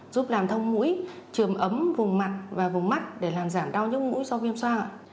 giúp làm thông mũi trường ấm vùng mặt và vùng mắt để làm giảm đau nhức mũi do viêm xoang